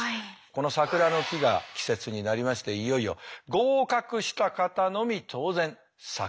この桜の木が季節になりましていよいよ合格した方のみ当然桜咲く。